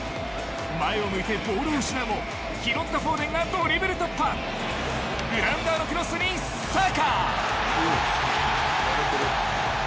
前を向いてボールを失うも拾ったフォーデンがグラウンダーのクロスにサカ！